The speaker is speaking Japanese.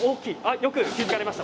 よく気付かれました。